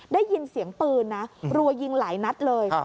ได้ยินเสียงปืนนะรัวยิงหลายนัดเลย